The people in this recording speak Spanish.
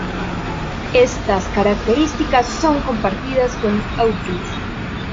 Estas características son compartidas con "Aotus".